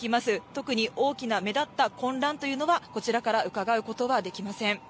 特に大きな目立った混乱というのは、こちらからうかがうことはできません。